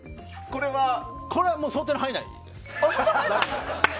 これは想定の範囲内です。